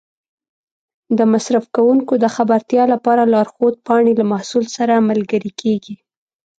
د مصرف کوونکو د خبرتیا لپاره لارښود پاڼې له محصول سره ملګري کېږي.